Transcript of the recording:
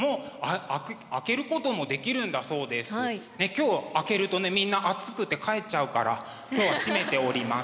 今日開けるとねみんな暑くて帰っちゃうから今日は閉めております。